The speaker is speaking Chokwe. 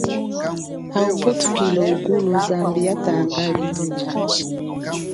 Ha ubutukilo mukulu zambi yatanga lilu nyi hashi.